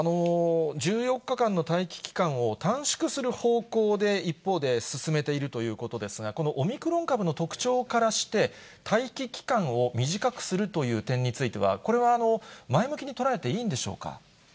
１４日間の待機期間を短縮する方向で、一方で進めているということですが、このオミクロン株の特徴からして、待機期間を短くするという点については、これは前向きに捉えていいんでしょうか。